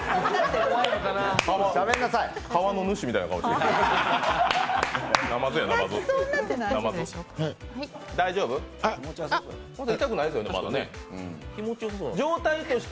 川の主みたいな顔して。